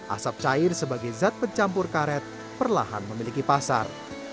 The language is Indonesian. asap cair sebagai zat pencampur karet perlahan memiliki pasar